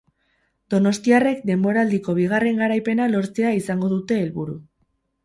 Donostiarrek denboraldiko bigarren garaipena lortzea izango dute helburu.